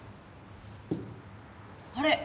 あれ？